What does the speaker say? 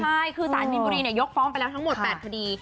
ใช่คือสารมินบุรียกฟ้องไปแล้วทั้งหมด๘คดี